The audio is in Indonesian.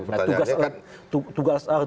nah ya makanya pertanyaannya kan